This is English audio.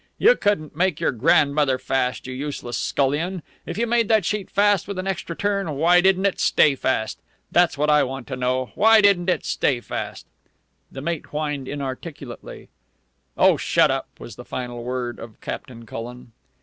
"You couldn't make your grandmother fast, you useless scullion. If you made that sheet fast with an extra turn, why didn't it stay fast? That's what I want to know. Why didn't it stay fast?" The mate whined inarticulately. "Oh, shut up!" was the final word of Captain Cullen.